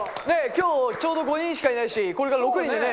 きょう、ちょうど５人しかいないし、これから６人でね。